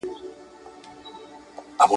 د خان کورته یې راوړې کربلا وه `